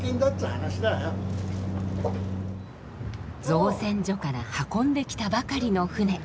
造船所から運んできたばかりの船。